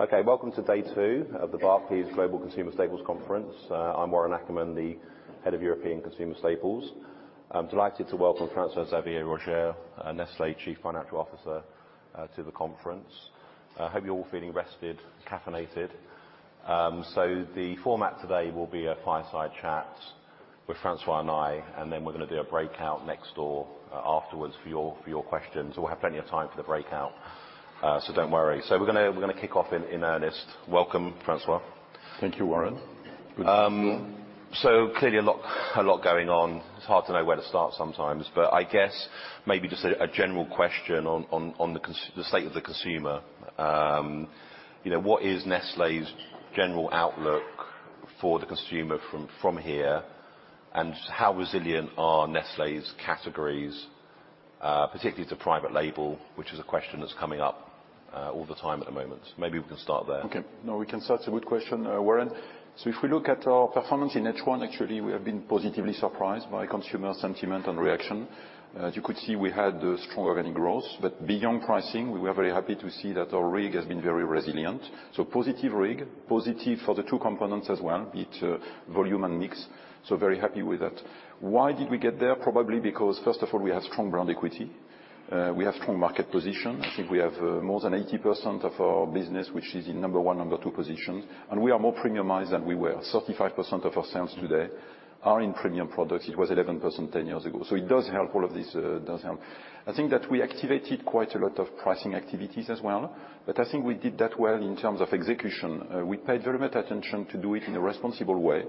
Okay, welcome to day two of the Barclays Global Consumer Staples Conference. I'm Warren Ackerman, the Head of European Consumer Staples. I'm delighted to welcome François-Xavier Roger, Nestlé Chief Financial Officer, to the conference. I hope you're all feeling rested, caffeinated. The format today will be a fireside chat with François and I, and then we're gonna do a breakout next door afterwards for your questions. We'll have plenty of time for the breakout, so don't worry. We're gonna kick off in earnest. Welcome, François. Thank you, Warren. Good to be here. Clearly a lot going on. It's hard to know where to start sometimes. I guess maybe just a general question on the state of the consumer. You know, what is Nestlé's general outlook for the consumer from here, and how resilient are Nestlé's categories, particularly to private label, which is a question that's coming up all the time at the moment. Maybe we can start there. Okay. No, we can start. It's a good question, Warren. If we look at our performance in H1, actually we have been positively surprised by consumer sentiment and reaction. As you could see, we had a stronger revenue growth, but beyond pricing, we were very happy to see that our RIG has been very resilient. Positive RIG. Positive for the two components as well, be it volume and mix, so very happy with that. Why did we get there? Probably because, first of all, we have strong brand equity, we have strong market position. I think we have more than 80% of our business which is in number one, number two positions, and we are more premiumized than we were. 35% of our sales today are in premium products. It was 11% ten years ago, so it does help. All of this does help. I think that we activated quite a lot of pricing activities as well, but I think we did that well in terms of execution. We paid very much attention to do it in a responsible way,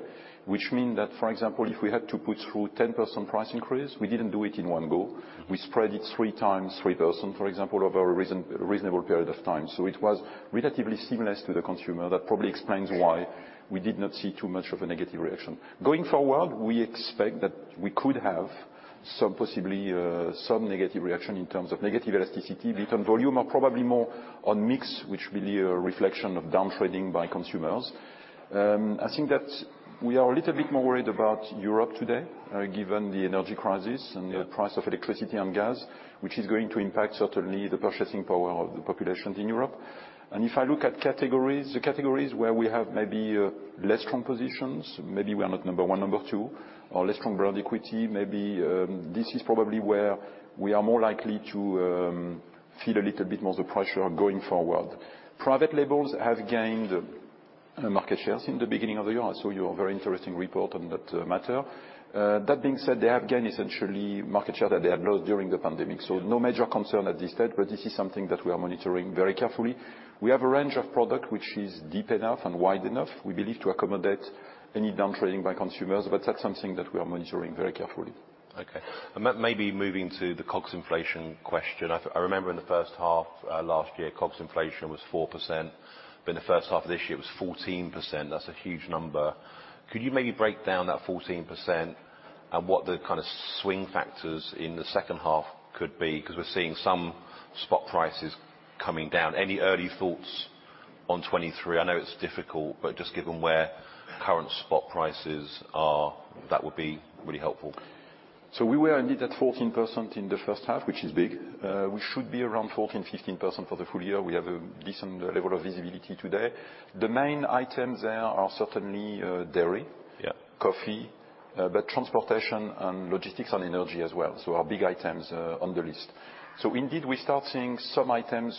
which mean that, for example, if we had to put through 10% price increase, we didn't do it in one go. We spread it three times 3%, for example, over a reasonable period of time. It was relatively seamless to the consumer. That probably explains why we did not see too much of a negative reaction. Going forward, we expect that we could have some, possibly, some negative reaction in terms of negative elasticity based on volume or probably more on mix, which will be a reflection of down-trading by consumers. I think that we are a little bit more worried about Europe today, given the energy crisis and the price of electricity and gas, which is going to impact certainly the purchasing power of the populations in Europe. If I look at categories, the categories where we have maybe less strong positions, maybe we are not number one, number two, or less strong brand equity, maybe this is probably where we are more likely to feel a little bit more of the pressure going forward. Private labels have gained market shares in the beginning of the year. I saw your very interesting report on that matter. That being said, they have gained essentially market share that they had lost during the pandemic, so no major concern at this state, but this is something that we are monitoring very carefully. We have a range of products which is deep enough and wide enough, we believe, to accommodate any down-trading by consumers, but that's something that we are monitoring very carefully. Okay. Maybe moving to the COGS inflation question. I remember in the first half last year, COGS inflation was 4%. In the first half of this year, it was 14%. That's a huge number. Could you maybe break down that 14% and what the kind of swing factors in the second half could be? 'Cause we're seeing some spot prices coming down. Any early thoughts on 2023? I know it's difficult, but just given where current spot prices are, that would be really helpful. We were indeed at 14% in the first half, which is big. We should be around 14% to 15% for the full year. We have a decent level of visibility today. The main items there are certainly dairy- Yeah coffee, transportation and logistics and energy as well, our big items on the list. Indeed, we start seeing some items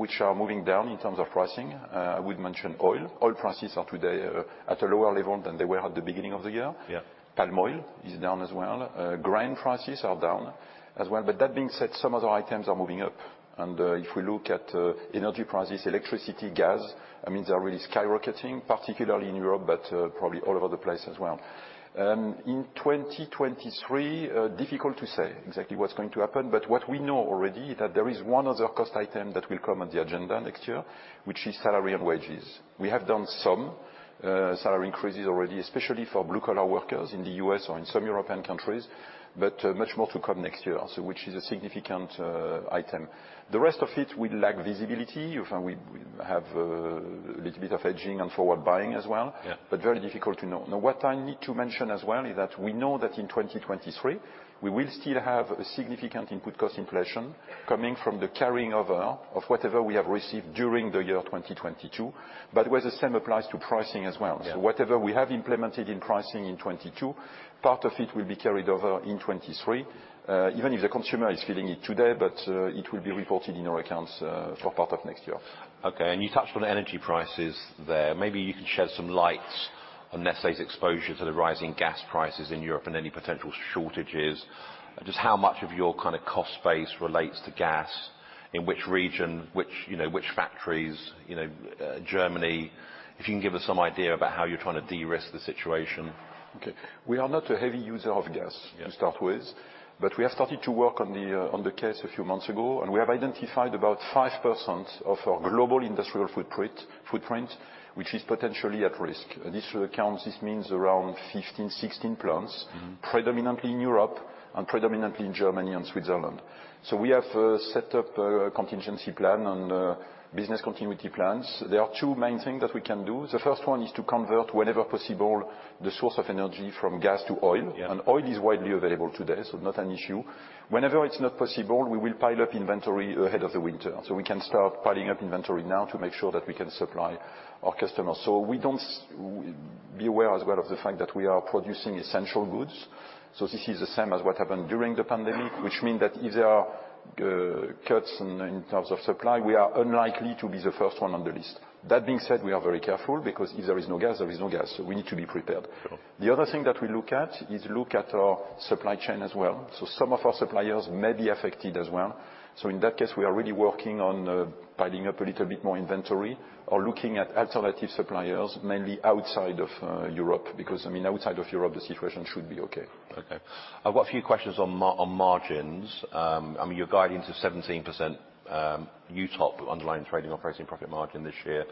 which are moving down in terms of pricing. We'd mention oil. Oil prices are today at a lower level than they were at the beginning of the year. Yeah. Palm oil is down as well. Grain prices are down as well. That being said, some other items are moving up. If we look at energy prices, electricity, gas, I mean, they are really skyrocketing, particularly in Europe, but probably all over the place as well. In 2023, difficult to say exactly what's going to happen. What we know already is that there is one other cost item that will come on the agenda next year, which is salary and wages. We have done some salary increases already, especially for blue collar workers in the US or in some European countries, but much more to come next year, so which is a significant item. The rest of it, we lack visibility. Of course, we have a little bit of hedging and forward buying as well. Yeah. Very difficult to know. Now, what I need to mention as well is that we know that in 2023, we will still have a significant input cost inflation coming from the carrying over of whatever we have received during the year 2022, but where the same applies to pricing as well. Yeah. Whatever we have implemented in pricing in 2022, part of it will be carried over in 2023, even if the consumer is feeling it today, but it will be reported in our accounts for part of next year. Okay. You touched on energy prices there. Maybe you can shed some light on Nestlé's exposure to the rising gas prices in Europe and any potential shortages. Just how much of your kind of cost base relates to gas? In which region? Which, you know, which factories? You know, Germany. If you can give us some idea about how you're trying to de-risk the situation. Okay. We are not a heavy user of gas. Yeah To start with, we have started to work on the case a few months ago, and we have identified about 5% of our global industrial footprint, which is potentially at risk. This means around 15-16 plants. Mm-hmm Predominantly in Europe and predominantly in Germany and Switzerland. We have set up a contingency plan and business continuity plans. There are two main thing that we can do. The first one is to convert whenever possible the source of energy from gas to oil. Yeah. Oil is widely available today, so not an issue. Whenever it's not possible, we will pile up inventory ahead of the winter. We can start piling up inventory now to make sure that we can supply our customers. We should be aware as well of the fact that we are producing essential goods, so this is the same as what happened during the pandemic, which means that if there are cuts in terms of supply, we are unlikely to be the first one on the list. That being said, we are very careful because if there is no gas, there is no gas. We need to be prepared. Sure. The other thing that we look at is our supply chain as well. Some of our suppliers may be affected as well. In that case, we are really working on piling up a little bit more inventory or looking at alternative suppliers mainly outside of Europe, because, I mean, outside of Europe the situation should be okay. Okay. I've got a few questions on margins. I mean, you're guiding to 17%, UTOP underlying trading operating profit margin this year.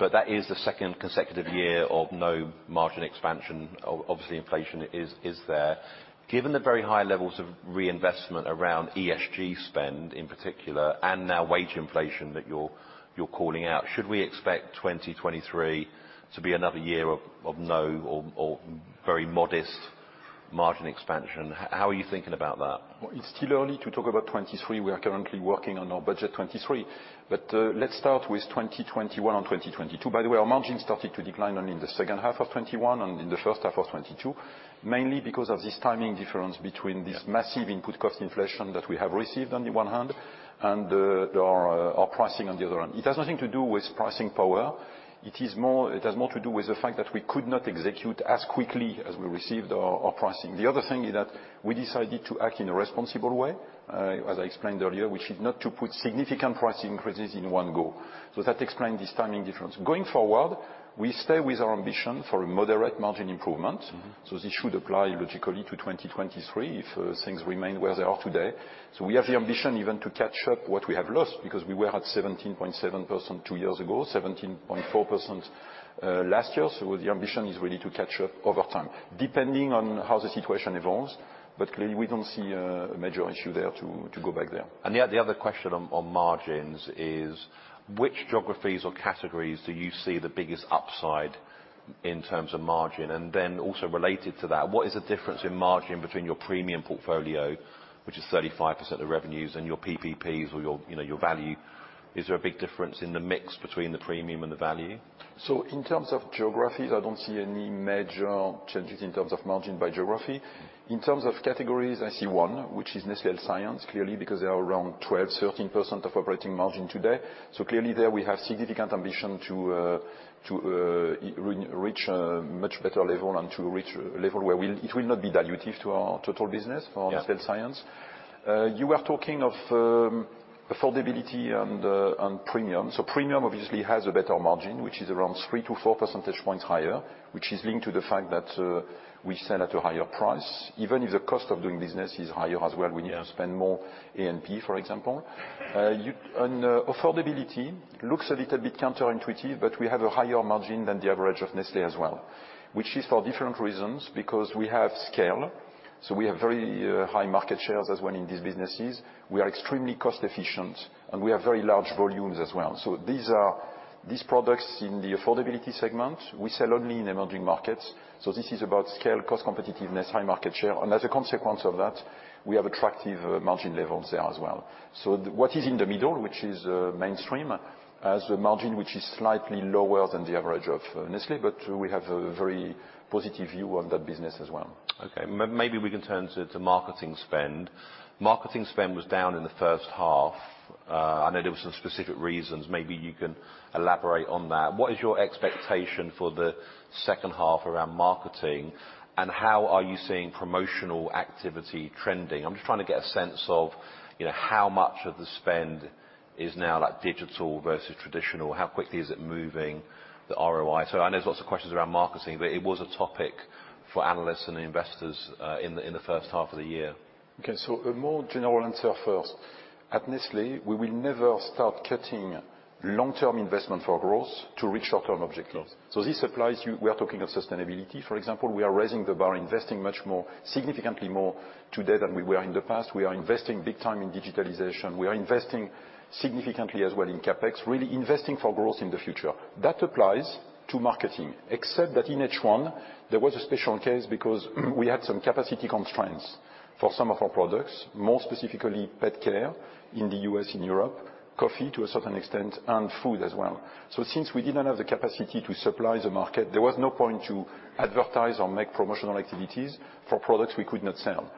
That is the second consecutive year of no margin expansion. Obviously, inflation is there. Given the very high levels of reinvestment around ESG spend in particular, and now wage inflation that you're calling out, should we expect 2023 to be another year of no or very modest margin expansion? How are you thinking about that? Well, it's still early to talk about 2023. We are currently working on our budget 2023. Let's start with 2021 and 2022. By the way, our margin started to decline only in the second half of 2021 and in the first half of 2022, mainly because of this timing difference between this massive input cost inflation that we have received on the one hand and our pricing on the other hand. It has nothing to do with pricing power. It has more to do with the fact that we could not execute as quickly as we received our pricing. The other thing is that we decided to act in a responsible way, as I explained earlier, which is not to put significant price increases in one go. That explains this timing difference. Going forward, we stay with our ambition for a moderate margin improvement. Mm-hmm. This should apply logically to 2023 if things remain where they are today. We have the ambition even to catch up what we have lost because we were at 17.7% two years ago, 17.4% last year. The ambition is really to catch up over time, depending on how the situation evolves. Clearly, we don't see a major issue there to go back there. The other question on margins is which geographies or categories do you see the biggest upside in terms of margin? Also related to that, what is the difference in margin between your premium portfolio, which is 35% of revenues, and your PPPs or your, you know, your value? Is there a big difference in the mix between the premium and the value? In terms of geographies, I don't see any major changes in terms of margin by geography. In terms of categories, I see one, which is Nestlé Health Science, clearly because they are around 12% to 13% of operating margin today. Clearly there we have significant ambition to reach a much better level and to reach a level where it will not be dilutive to our total business. Yeah For Nestlé Health Science. You are talking of affordability and premium. Premium obviously has a better margin, which is around 3-4 percentage points higher, which is linked to the fact that we sell at a higher price. Even if the cost of doing business is higher as well, we need to spend more A&P, for example. Affordability looks a little bit counterintuitive, but we have a higher margin than the average of Nestlé as well, which is for different reasons, because we have scale. We have very high market shares as well in these businesses. We are extremely cost efficient, and we have very large volumes as well. These products in the affordability segment, we sell only in emerging markets. This is about scale, cost competitiveness, high market share. As a consequence of that, we have attractive margin levels there as well. What is in the middle, which is mainstream, has a margin which is slightly lower than the average of Nestlé, but we have a very positive view on that business as well. Okay. Maybe we can turn to marketing spend. Marketing spend was down in the first half. I know there were some specific reasons. Maybe you can elaborate on that. What is your expectation for the second half around marketing, and how are you seeing promotional activity trending? I'm just trying to get a sense of, you know, how much of the spend is now, like, digital versus traditional. How quickly is it moving to ROI? I know there's lots of questions around marketing, but it was a topic for analysts and investors in the first half of the year. Okay, a more general answer first. At Nestlé, we will never start cutting long-term investment for growth to reach short-term objectives. This applies to you, we are talking of sustainability, for example. We are raising the bar, investing much more, significantly more today than we were in the past. We are investing big time in digitalization. We are investing significantly as well in CapEx, really investing for growth in the future. That applies to marketing, except that in H1 there was a special case because we had some capacity constraints for some of our products, more specifically pet care in the U.S. and Europe, coffee to a certain extent, and food as well. Since we didn't have the capacity to supply the market, there was no point to advertise or make promotional activities for products we could not sell.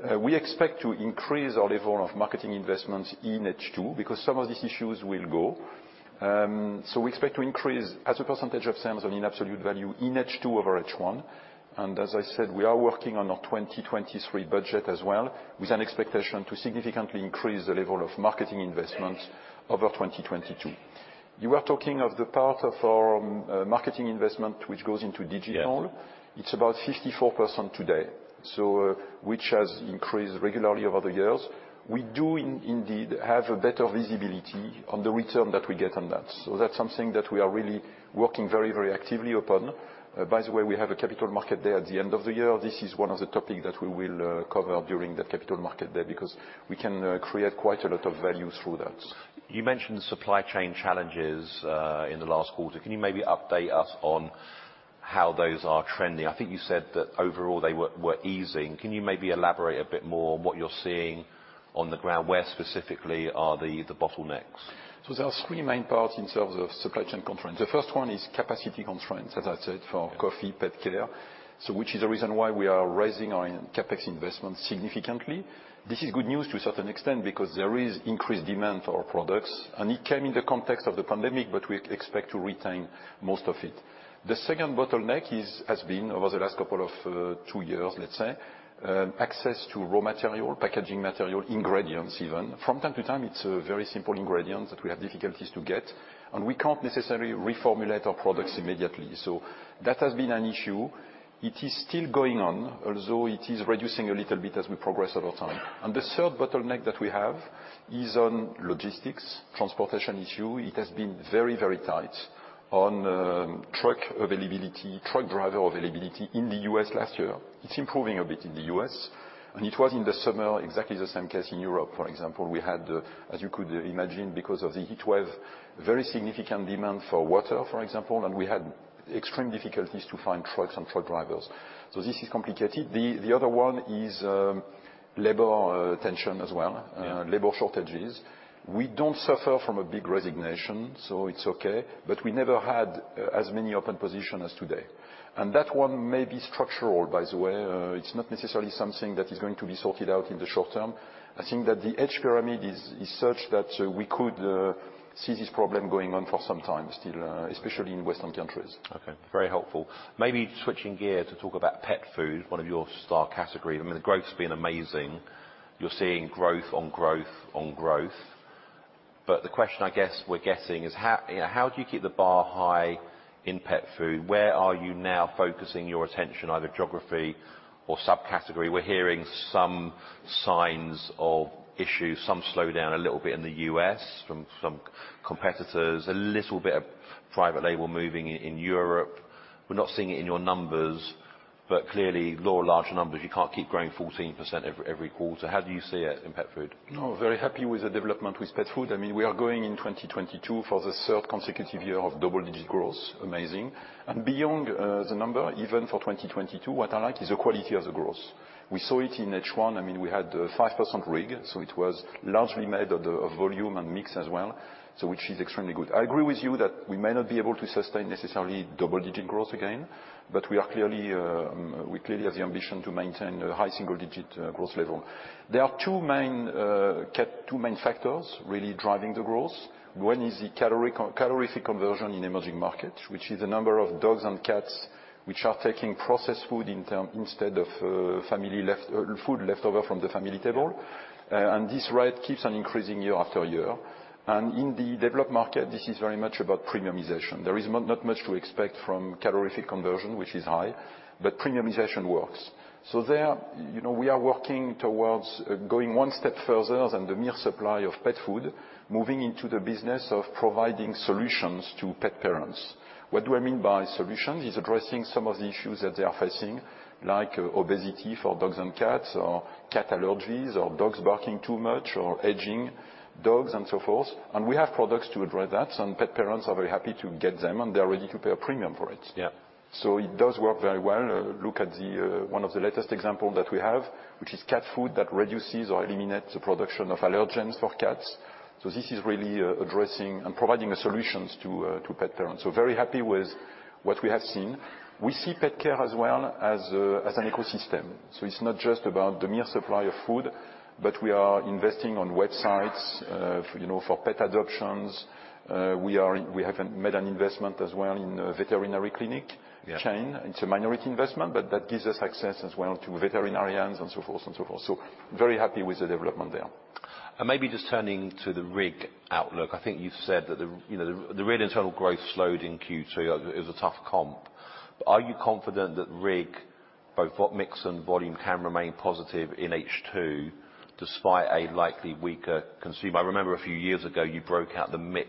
Yeah. We expect to increase our level of marketing investments in H2 because some of these issues will go. We expect to increase as a percentage of sales and in absolute value in H2 over H1. As I said, we are working on our 2023 budget as well with an expectation to significantly increase the level of marketing investments over 2022. You are talking of the part of our marketing investment which goes into digital. Yeah. It's about 54% today, so, which has increased regularly over the years. We do indeed have a better visibility on the return that we get on that. That's something that we are really working very, very actively upon. By the way, we have a capital market day at the end of the year. This is one of the topic that we will cover during the capital market day because we can create quite a lot of value through that. You mentioned supply chain challenges in the last quarter. Can you maybe update us on how those are trending? I think you said that overall they were easing. Can you maybe elaborate a bit more on what you're seeing on the ground? Where specifically are the bottlenecks? There are three main parts in terms of supply chain constraints. The first one is capacity constraints, as I said, for coffee, pet care. Which is the reason why we are raising our CapEx investment significantly. This is good news to a certain extent because there is increased demand for our products, and it came in the context of the pandemic, but we expect to retain most of it. The second bottleneck has been over the last couple of two years, let's say, access to raw material, packaging material, ingredients even. From time to time, it's a very simple ingredient that we have difficulties to get, and we can't necessarily reformulate our products immediately. That has been an issue. It is still going on, although it is reducing a little bit as we progress over time. The third bottleneck that we have is on logistics, transportation issue. It has been very, very tight on truck availability, truck driver availability in the US last year. It's improving a bit in the US, and it was in the summer exactly the same case in Europe, for example. We had, as you could imagine because of the heat wave, very significant demand for water, for example, and we had extreme difficulties to find trucks and truck drivers. This is complicated. The other one is labor tension as well. Yeah. Labor shortages. We don't suffer from a big resignation, so it's okay, but we never had as many open positions as today. That one may be structural by the way. It's not necessarily something that is going to be sorted out in the short term. I think that the age pyramid is such that we could see this problem going on for some time still, especially in Western countries. Okay. Very helpful. Maybe switching gear to talk about pet food, one of your star category. I mean, the growth's been amazing. You're seeing growth on growth on growth. The question I guess we're getting is how, you know, how do you keep the bar high in pet food? Where are you now focusing your attention, either geography or sub-category? We're hearing some signs of issues, some slowdown a little bit in the US from some competitors. A little bit of private label moving in Europe. We're not seeing it in your numbers, but clearly larger numbers, you can't keep growing 14% every quarter. How do you see it in pet food? No, very happy with the development with pet food. I mean, we are growing in 2022 for the third consecutive year of double-digit growth. Amazing. Beyond, the number even for 2022, what I like is the quality of the growth. We saw it in H1. I mean, we had 5% RIG, so it was largely made of volume and mix as well, so which is extremely good. I agree with you that we may not be able to sustain necessarily double-digit growth again, but we clearly have the ambition to maintain a high single-digit growth level. There are two main factors really driving the growth. One is the caloric, calorific conversion in emerging markets, which is the number of dogs and cats which are taking processed food in turn instead of family leftovers from the family table. Yeah. This rate keeps on increasing year after year. In the developed market, this is very much about premiumization. There is not much to expect from calorific conversion, which is high, but premiumization works. There, you know, we are working towards going one step further than the mere supply of pet food, moving into the business of providing solutions to pet parents. What do I mean by solutions? It's addressing some of the issues that they are facing, like obesity for dogs and cats, or cat allergies, or dogs barking too much, or aging dogs and so forth. We have products to address that, and pet parents are very happy to get them, and they are ready to pay a premium for it. Yeah. It does work very well. Look at the one of the latest example that we have, which is cat food that reduces or eliminate the production of allergens for cats. This is really addressing and providing the solutions to pet parents. Very happy with what we have seen. We see pet care as well as an ecosystem, so it's not just about the mere supply of food, but we are investing on websites, you know, for pet adoptions. We have made an investment as well in a veterinary clinic. Yeah Chain. It's a minority investment, but that gives us access as well to veterinarians and so forth and so forth. Very happy with the development there. Maybe just turning to the RIG outlook. I think you've said that you know the real internal growth slowed in Q2. It was a tough comp. Are you confident that RIG, both the mix and volume can remain positive in H2 despite a likely weaker consumer? I remember a few years ago you broke out the mix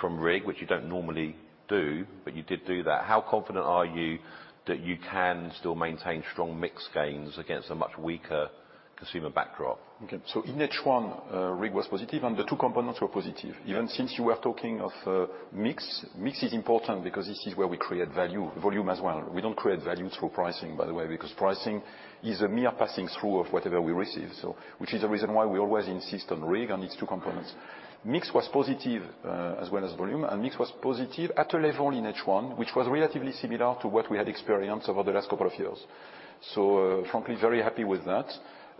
from RIG, which you don't normally do, but you did do that. How confident are you that you can still maintain strong mix gains against a much weaker consumer backdrop? Okay. In H1, RIG was positive and the two components were positive. Yeah. Even since you are talking of mix is important because this is where we create value, volume as well. We don't create value through pricing, by the way, because pricing is a mere passing through of whatever we receive, so which is the reason why we always insist on RIG and its two components. Mix was positive as well as volume, and mix was positive at a level in H1, which was relatively similar to what we had experienced over the last couple of years. Frankly, very happy with that.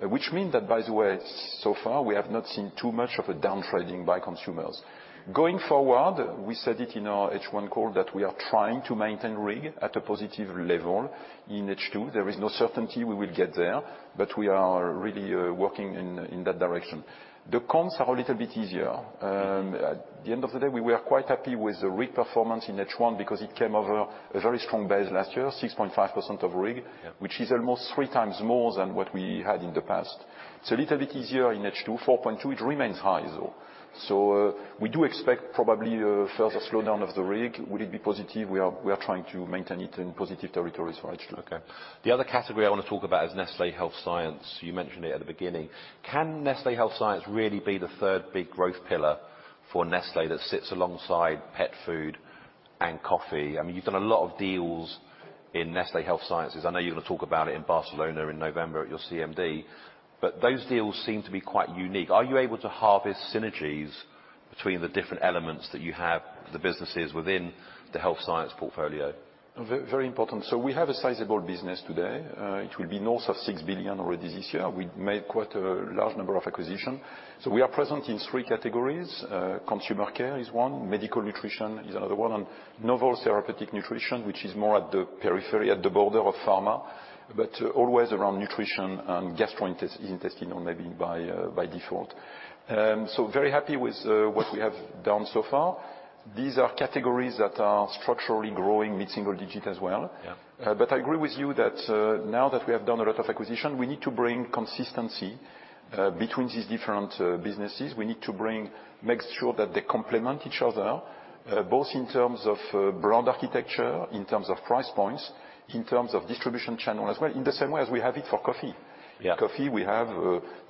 Which means that, by the way, so far we have not seen too much of a downtrading by consumers. Going forward, we said it in our H1 call that we are trying to maintain RIG at a positive level in H2. There is no certainty we will get there, but we are really working in that direction. The comps are a little bit easier. At the end of the day, we were quite happy with the RIG performance in H1 because it came over a very strong base last year, 6.5% of RIG. Yeah. Which is almost three times more than what we had in the past. It's a little bit easier in H2, 4.2. It remains high, though. We do expect probably a further slowdown of the RIG. Will it be positive? We are trying to maintain it in positive territories for H2. Okay. The other category I wanna talk about is Nestlé Health Science. You mentioned it at the beginning. Can Nestlé Health Science really be the third big growth pillar for Nestlé that sits alongside pet food and coffee? I mean, you've done a lot of deals in Nestlé Health Science. I know you're gonna talk about it in Barcelona in November at your CMD. Those deals seem to be quite unique. Are you able to harvest synergies between the different elements that you have, the businesses within the health science portfolio? Very important. We have a sizable business today. It will be north of 6 billion already this year. We made quite a large number of acquisitions. We are present in three categories. Consumer care is one, medical nutrition is another one, and novel therapeutic nutrition, which is more at the periphery, at the border of pharma, but always around nutrition and gastrointestinal, maybe by default. Very happy with what we have done so far. These are categories that are structurally growing mid-single-digit% as well. Yeah. I agree with you that now that we have done a lot of acquisition, we need to bring consistency between these different businesses. We need to make sure that they complement each other both in terms of brand architecture, in terms of price points, in terms of distribution channel as well, in the same way as we have it for coffee. Yeah. Coffee, we have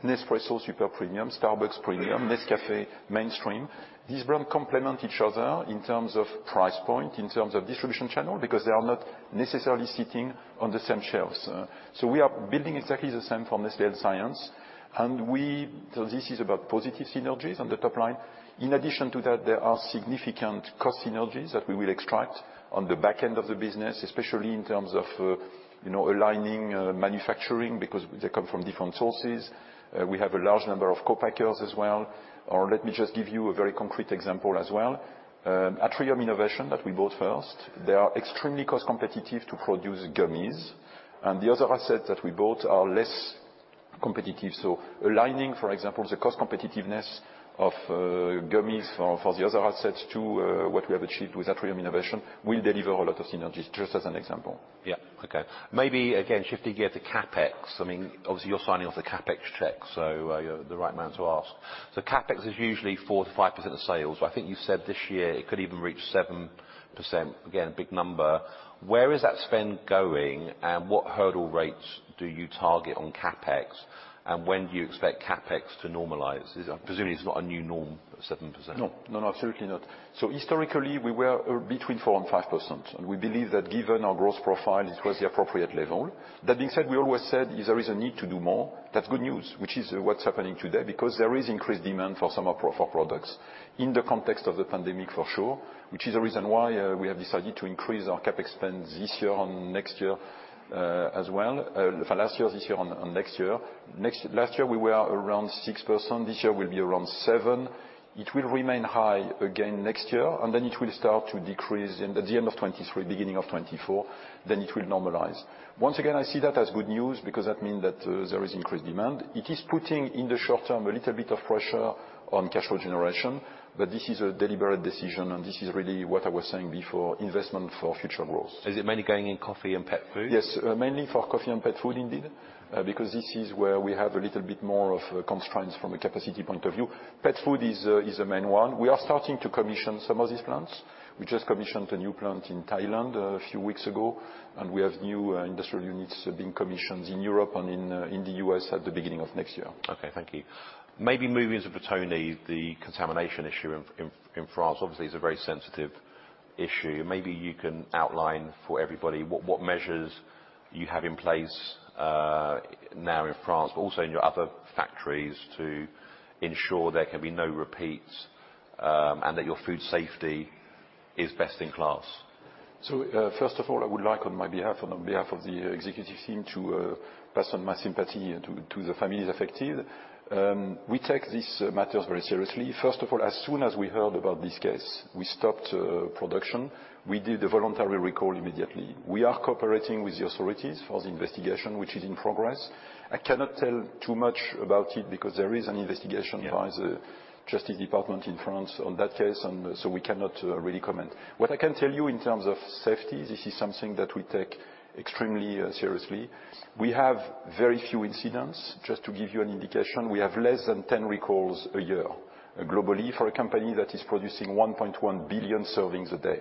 Nespresso super premium, Starbucks premium. Mm. Nescafé mainstream. These brands complement each other in terms of price point, in terms of distribution channel, because they are not necessarily sitting on the same shelves. We are building exactly the same for Nestlé Health Science. This is about positive synergies on the top line. In addition to that, there are significant cost synergies that we will extract on the back end of the business, especially in terms of, you know, aligning manufacturing because they come from different sources. We have a large number of co-packers as well. Let me just give you a very concrete example as well. Atrium Innovations that we bought first, they are extremely cost competitive to produce gummies, and the other assets that we bought are less competitive. Aligning, for example, the cost competitiveness of gummies for the other assets to what we have achieved with Atrium Innovations will deliver a lot of synergies, just as an example. Yeah. Okay. Maybe again, shifting gear to CapEx. I mean, obviously, you're signing off the CapEx check, so you're the right man to ask. CapEx is usually 4% to 5% of sales. I think you said this year it could even reach 7%. Again, a big number. Where is that spend going? What hurdle rates do you target on CapEx? When do you expect CapEx to normalize? Presumably, it's not a new norm, 7%. No. No, no, certainly not. Historically, we were between 4% and 5%. We believe that given our growth profile, it was the appropriate level. That being said, we always said there is a need to do more. That's good news, which is what's happening today, because there is increased demand for some of our products in the context of the pandemic, for sure, which is a reason why we have decided to increase our CapEx spend this year and next year, as well, for last year, this year, and next year. Last year, we were around 6%. This year will be around 7%. It will remain high again next year, and then it will start to decrease in the end of 2023, beginning of 2024, then it will normalize. Once again, I see that as good news because that means that there is increased demand. It is putting, in the short term, a little bit of pressure on cash flow generation, but this is a deliberate decision and this is really what I was saying before, investment for future growth. Is it mainly going in coffee and pet food? Yes, mainly for coffee and pet food, indeed, because this is where we have a little bit more of constraints from a capacity point of view. Pet food is a main one. We are starting to commission some of these plants. We just commissioned a new plant in Thailand a few weeks ago, and we have new industrial units being commissioned in Europe and in the U.S. at the beginning of next year. Okay, thank you. Maybe moving on to Buitoni, the contamination issue in France, obviously, it's a very sensitive issue. Maybe you can outline for everybody what measures you have in place, now in France, but also in your other factories to ensure there can be no repeats, and that your food safety is best in class. First of all, I would like on my behalf and on behalf of the executive team to pass on my sympathy to the families affected. We take these matters very seriously. First of all, as soon as we heard about this case, we stopped production. We did a voluntary recall immediately. We are cooperating with the authorities for the investigation, which is in progress. I cannot tell too much about it because there is an investigation by the Justice Department in France on that case, and so we cannot really comment. What I can tell you in terms of safety, this is something that we take extremely seriously. We have very few incidents. Just to give you an indication, we have less than 10 recalls a year globally for a company that is producing 1.1 billion servings a day.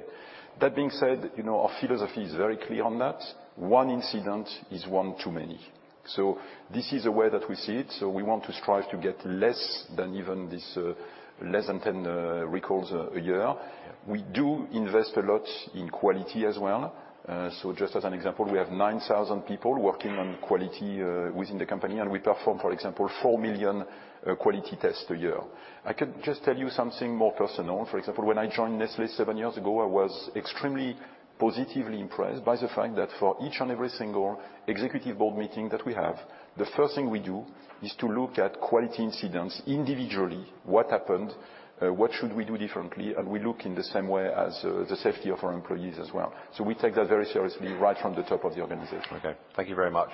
That being said, you know, our philosophy is very clear on that. One incident is one too many. This is the way that we see it. We want to strive to get less than even this, less than 10 recalls a year. We do invest a lot in quality as well. Just as an example, we have 9,000 people working on quality within the company, and we perform, for example, 4 million quality tests a year. I could just tell you something more personal. For example, when I joined Nestlé seven years ago, I was extremely positively impressed by the fact that for each and every single executive board meeting that we have, the first thing we do is to look at quality incidents individually, what happened, what should we do differently, and we look in the same way as the safety of our employees as well. We take that very seriously right from the top of the organization. Okay. Thank you very much.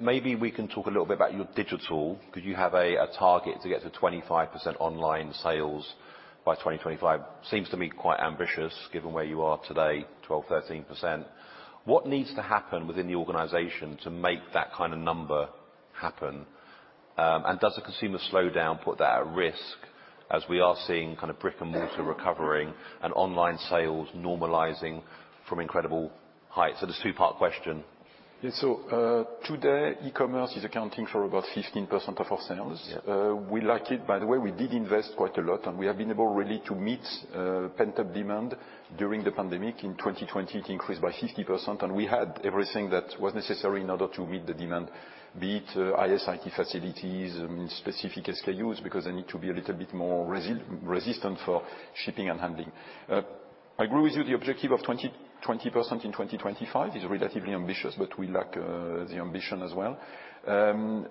Maybe we can talk a little bit about your digital, 'cause you have a target to get to 25% online sales by 2025. Seems to me quite ambitious, given where you are today, 12% to 13%. What needs to happen within the organization to make that kind of number happen? And does the consumer slowdown put that at risk as we are seeing kind of brick and mortar recovering and online sales normalizing from incredible heights? There's two-part question. Yeah. Today, e-commerce is accounting for about 15% of our sales. Yeah. We like it. By the way, we did invest quite a lot, and we have been able really to meet pent-up demand during the pandemic. In 2020, it increased by 50%, and we had everything that was necessary in order to meet the demand. Be it IS/IT facilities and specific SKUs, because they need to be a little bit more resistant for shipping and handling. I agree with you, the objective of 20% in 2025 is relatively ambitious, but we like the ambition as well.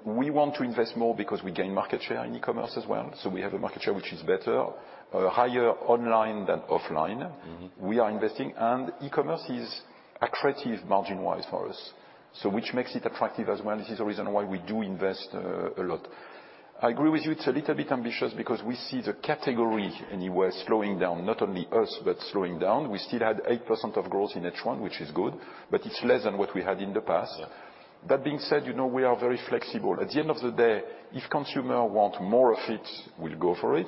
We want to invest more because we gain market share in e-commerce as well, so we have a market share which is better higher online than offline. Mm-hmm. We are investing, and e-commerce is accretive margin-wise for us, so which makes it attractive as well. This is the reason why we do invest a lot. I agree with you, it's a little bit ambitious because we see the category everywhere slowing down, not only us, but slowing down. We still had 8% growth in H1, which is good, but it's less than what we had in the past. Yeah. That being said, you know, we are very flexible. At the end of the day, if consumer want more of it, we'll go for it.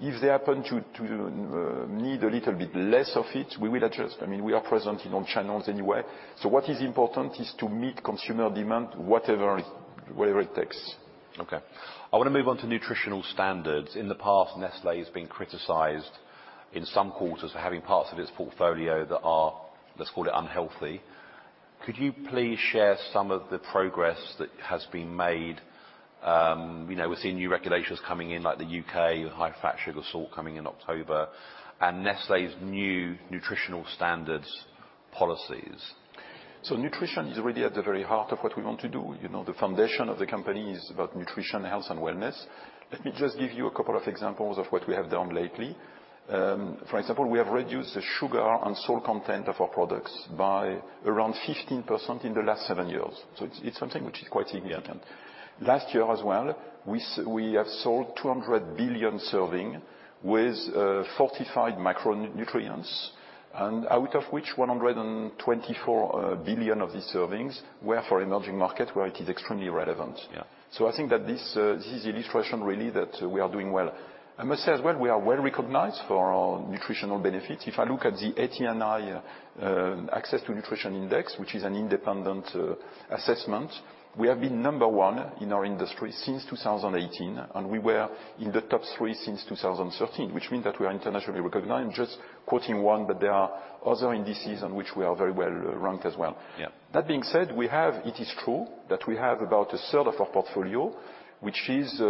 If they happen to need a little bit less of it, we will adjust. I mean, we are present in all channels anyway. What is important is to meet consumer demand, whatever it takes. Okay. I wanna move on to nutritional standards. In the past, Nestlé has been criticized in some quarters for having parts of its portfolio that are, let's call it unhealthy. Could you please share some of the progress that has been made? You know, we're seeing new regulations coming in, like the UK high fat, sugar, salt coming in October, and Nestlé's new nutritional standards policies. Nutrition is really at the very heart of what we want to do. You know, the foundation of the company is about nutrition, health, and wellness. Let me just give you a couple of examples of what we have done lately. For example, we have reduced the sugar and salt content of our products by around 15% in the last 7 years, so it's something which is quite evident. Last year as well, we have sold 200 billion servings with fortified micronutrients. Out of which 124 billion of these servings were for emerging market where it is extremely relevant. Yeah. I think that this is illustration really that we are doing well. I must say as well, we are well-recognized for our nutritional benefits. If I look at the ATNI, Access to Nutrition Index, which is an independent assessment, we have been number one in our industry since 2018, and we were in the top three since 2013, which means that we are internationally recognized. Just quoting one, but there are other indices on which we are very well ranked as well. Yeah. That being said, it is true that we have about a third of our portfolio which is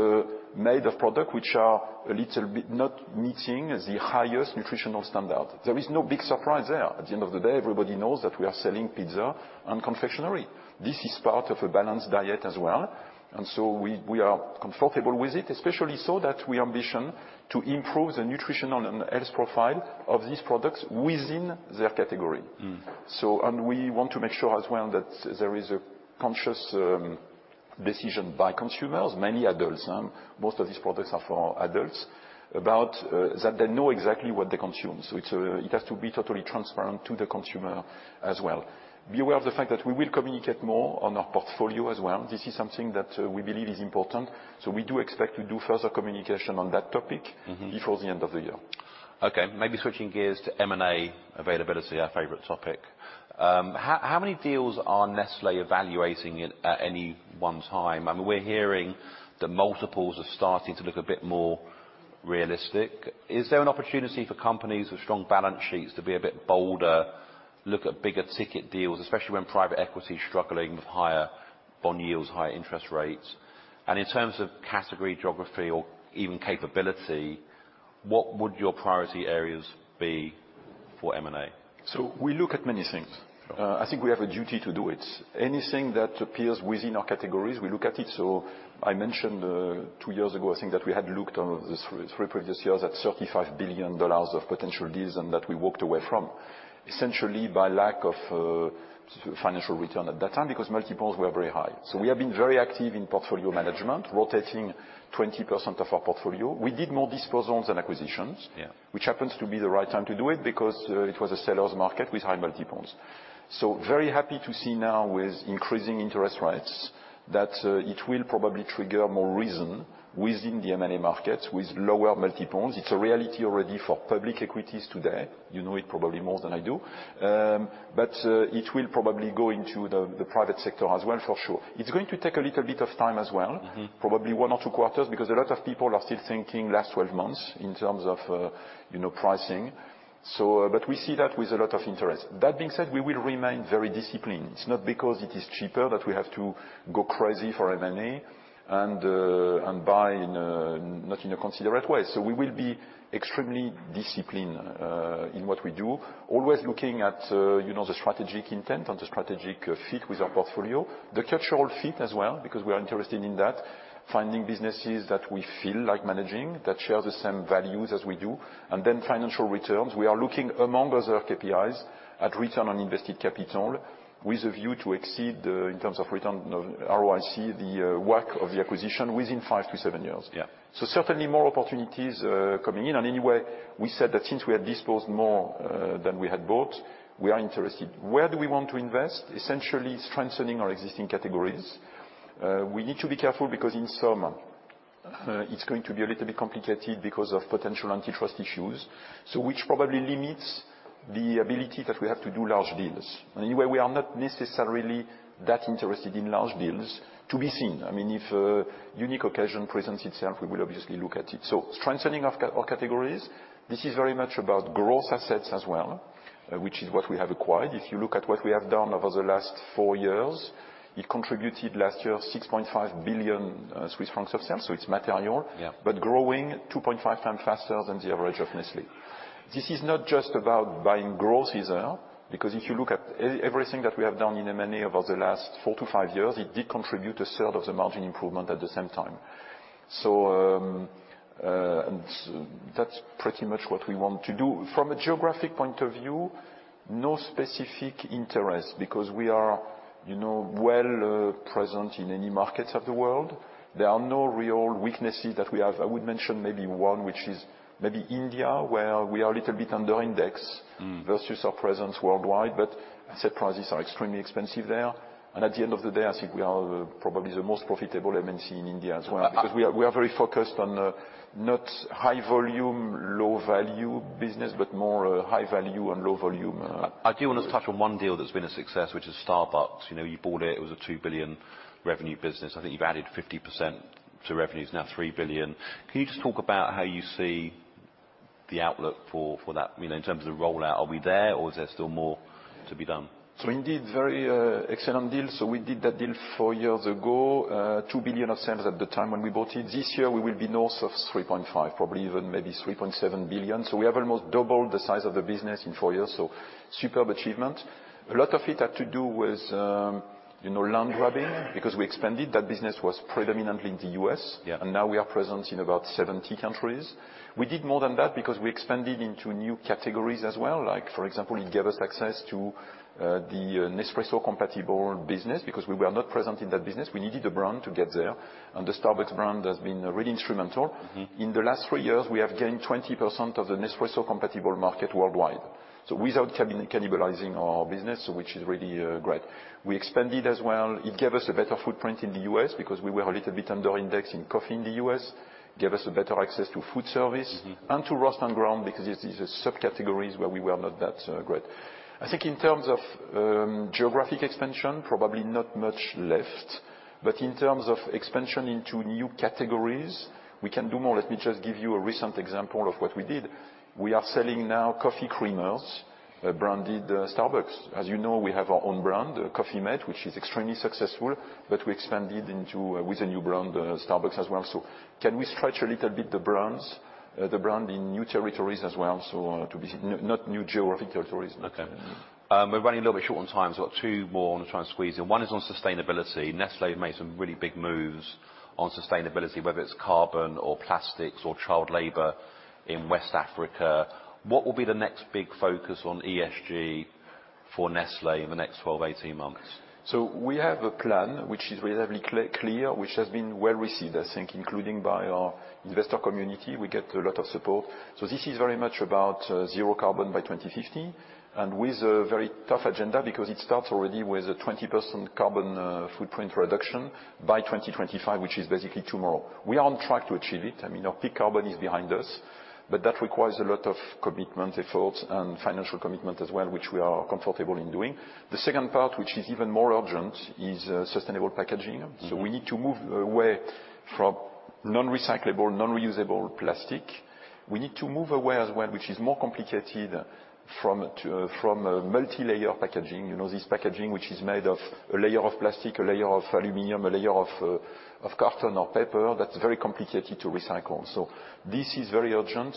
made of product which are a little bit not meeting the highest nutritional standard. There is no big surprise there. At the end of the day, everybody knows that we are selling pizza and confectionery. This is part of a balanced diet as well, and so we are comfortable with it, especially so that we ambition to improve the nutritional and health profile of these products within their category. Mm. We want to make sure as well that there is a conscious decision by consumers, many adults, most of these products are for adults, about that they know exactly what they consume. It has to be totally transparent to the consumer as well. Be aware of the fact that we will communicate more on our portfolio as well. This is something that we believe is important, so we do expect to do further communication on that topic. Mm-hmm Before the end of the year. Okay. Maybe switching gears to M&A availability, our favorite topic. How many deals are Nestlé evaluating at any one time? I mean, we're hearing that multiples are starting to look a bit more realistic. Is there an opportunity for companies with strong balance sheets to be a bit bolder, look at bigger ticket deals, especially when private equity is struggling with higher bond yields, higher interest rates? In terms of category, geography, or even capability, what would your priority areas be for M&A? We look at many things. Sure. I think we have a duty to do it. Anything that appears within our categories, we look at it. I mentioned two years ago, I think that we had looked over the three previous years at $35 billion of potential deals and that we walked away from, essentially by lack of financial return at that time, because multiples were very high. We have been very active in portfolio management, rotating 20% of our portfolio. We did more disposals than acquisitions. Yeah ...which happens to be the right time to do it because it was a seller's market with high multiples. Very happy to see now with increasing interest rates that it will probably trigger more reason within the M&A markets with lower multiples. It's a reality already for public equities today. You know it probably more than I do. It will probably go into the private sector as well for sure. It's going to take a little bit of time as well. Mm-hmm. Probably one or two quarters, because a lot of people are still thinking last 12 months in terms of, you know, pricing. We see that with a lot of interest. That being said, we will remain very disciplined. It's not because it is cheaper that we have to go crazy for M&A and buy not in a considerate way. We will be extremely disciplined in what we do, always looking at, you know, the strategic intent and the strategic fit with our portfolio. The cultural fit as well, because we are interested in that, finding businesses that we feel like managing, that share the same values as we do. Financial returns, we are looking among other KPIs at return on invested capital with a view to exceed, in terms of return, you know, ROIC, the work of the acquisition within five-seven years. Yeah. Certainly more opportunities coming in. Anyway, we said that since we had disposed more than we had bought, we are interested. Where do we want to invest? Essentially strengthening our existing categories. We need to be careful because it's going to be a little bit complicated because of potential antitrust issues. Which probably limits the ability that we have to do large deals. Anyway, we are not necessarily that interested in large deals to be seen. I mean, if a unique occasion presents itself, we will obviously look at it. Strengthening of categories, this is very much about growth assets as well, which is what we have acquired. If you look at what we have done over the last four years, it contributed last year 6.5 billion Swiss francs of sales, so it's material. Yeah. Growing 2.5x faster than the average of Nestlé. This is not just about buying growth either, because if you look at everything that we have done in M&A over the last four to five years, it did contribute a third of the margin improvement at the same time. That's pretty much what we want to do. From a geographic point of view, no specific interest because we are, you know, well, present in any markets of the world. There are no real weaknesses that we have. I would mention maybe one, which is maybe India, where we are a little bit under index- Mm. Versus our presence worldwide. Asset prices are extremely expensive there. At the end of the day, I think we are probably the most profitable MNC in India as well. Uh- Because we are very focused on the not high volume, low value business, but more, high value and low volume, stuff. I do want to touch on one deal that's been a success, which is Starbucks. You know, you bought it was a $2 billion revenue business. I think you've added 50% to revenues, now $3 billion. Can you just talk about how you see the outlook for that? You know, in terms of the rollout, are we there or is there more to be done? Indeed, very excellent deal. We did that deal four years ago, 2 billion of sales at the time when we bought it. This year, we will be north of 3.5 billion, probably even maybe 3.7 billion. We have almost doubled the size of the business in four years. Superb achievement. A lot of it had to do with, you know, land grabbing because we expanded. That business was predominantly in the U.S. Yeah. Now we are present in about 70 countries. We did more than that because we expanded into new categories as well. Like for example, it gave us access to the Nespresso compatible business because we were not present in that business. We needed a brand to get there, and the Starbucks brand has been really instrumental. Mm-hmm. In the last three years, we have gained 20% of the Nespresso compatible market worldwide. Without cannibalizing our business, which is really great. We expanded as well. It gave us a better footprint in the U.S. because we were a little bit under index in coffee in the U.S. Gave us a better access to food service. Mm-hmm. to roast and ground because it's subcategories where we were not that great. I think in terms of geographic expansion, probably not much left. In terms of expansion into new categories, we can do more. Let me just give you a recent example of what we did. We are selling now coffee creamers, branded Starbucks. As you know, we have our own brand, Coffee mate, which is extremely successful, but we expanded into with a new brand, Starbucks as well. Can we stretch a little bit the brands, the brand in new territories as well? Not new geographic territories. Okay. We're running a little bit short on time, so I've got two more I want to try and squeeze in. One is on sustainability. Nestlé has made some really big moves on sustainability, whether it's carbon or plastics or child labor in West Africa. What will be the next big focus on ESG for Nestlé in the next 12, 18 months? We have a plan which is relatively clear, which has been well received, I think, including by our investor community. We get a lot of support. This is very much about zero carbon by 2050 and with a very tough agenda because it starts already with a 20% carbon footprint reduction by 2025, which is basically tomorrow. We are on track to achieve it. I mean, our peak carbon is behind us, but that requires a lot of commitment, effort, and financial commitment as well, which we are comfortable in doing. The second part, which is even more urgent, is sustainable packaging. Mm-hmm. We need to move away from non-recyclable, non-reusable plastic. We need to move away as well, which is more complicated from a multilayer packaging. You know, this packaging which is made of a layer of plastic, a layer of aluminum, a layer of carton or paper, that's very complicated to recycle. This is very urgent,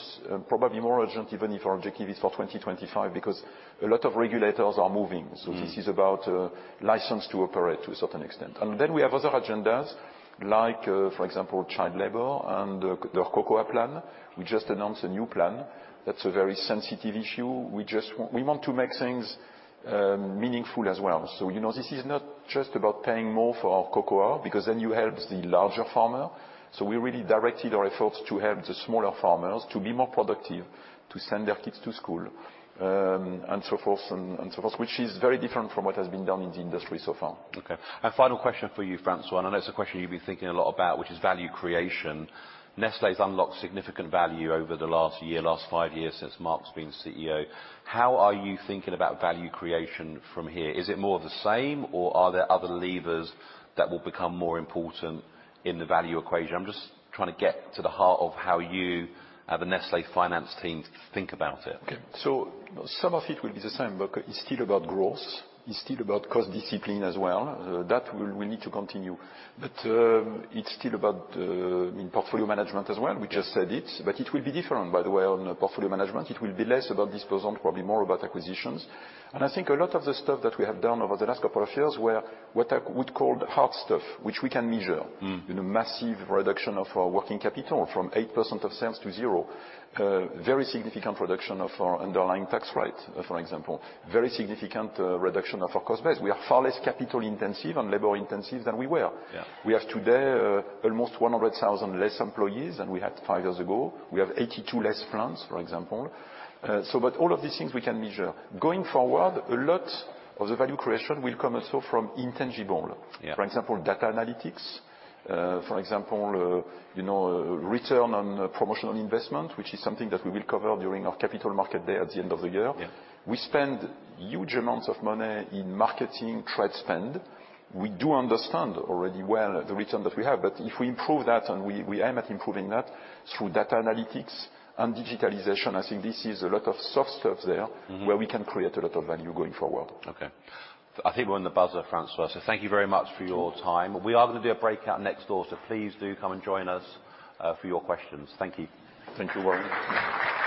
probably more urgent even if our objective is for 2025 because a lot of regulators are moving. Mm-hmm. This is about license to operate to a certain extent. We have other agendas like, for example, child labor and the cocoa plan. We just announced a new plan. That's a very sensitive issue. We want to make things meaningful as well. You know, this is not just about paying more for our cocoa because then you help the larger farmer. We really directed our efforts to help the smaller farmers to be more productive, to send their kids to school, and so forth, which is very different from what has been done in the industry so far. Okay. Final question for you, François. I know it's a question you've been thinking a lot about, which is value creation. Nestlé's unlocked significant value over the last year, last five years since Mark's been CEO. How are you thinking about value creation from here? Is it more the same or are there other levers that will become more important in the value equation? I'm just trying to get to the heart of how you, the Nestlé finance team think about it. Okay. Some of it will be the same. It's still about growth, it's still about cost discipline as well. That we need to continue. It's still about, I mean, portfolio management as well. Yeah. We just said it, but it will be different, by the way, on portfolio management. It will be less about disposal, probably more about acquisitions. I think a lot of the stuff that we have done over the last couple of years were what I would call hard stuff, which we can measure. Mm. You know, massive reduction of our working capital from 8% of sales to zero. Very significant reduction of our underlying tax rate, for example. Very significant reduction of our cost base. We are far less capital intensive and labor intensive than we were. Yeah. We have today, almost 100,000 less employees than we had five years ago. We have 82 less plants, for example. All of these things we can measure. Going forward, a lot of the value creation will come also from intangible. Yeah. For example, data analytics. For example, you know, return on promotional investment, which is something that we will cover during our Capital Markets Day at the end of the year. Yeah. We spend huge amounts of money in marketing trade spend. We do understand already well the return that we have. If we improve that, and we aim at improving that through data analytics and digitalization, I think this is a lot of soft stuff there. Mm-hmm. Where we can create a lot of value going forward. Okay. I think we're on the buzzer, François. Thank you very much for your time. We are going to do a breakout next door, so please do come and join us for your questions. Thank you. Thank you, Warren.